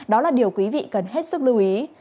đó là điều quý vị cần hết sức lưu ý